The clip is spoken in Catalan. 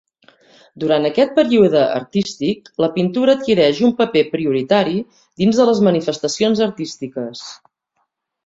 Durant aquest període artístic la pintura adquireix un paper prioritari dins de les manifestacions artístiques.